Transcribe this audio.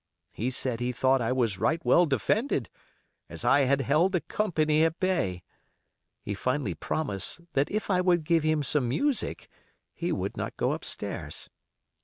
He said he thought I was right well defended, as I had held a company at bay. He finally promised that if I would give him some music he would not go up stairs.